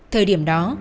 thời điểm đó